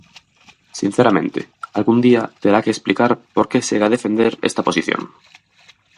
Sinceramente, algún día terá que explicar por que segue a defender esta posición.